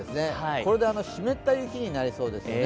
これで湿った雪になりそうですよね。